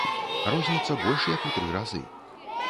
Розніца больш як у тры разы.